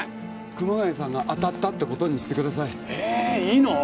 熊谷さんが当たったってことにしてくださいええいいの？